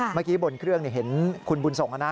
เมื่อกี้บนเครื่องเห็นคุณบุญส่งนะ